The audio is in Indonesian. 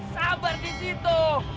sabar di situ